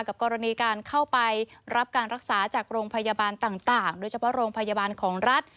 กรณีการเข้าไปรับการรักษาจากโรงพยาบาลต่างโดยเฉพาะโรงพยาบาลของรัฐ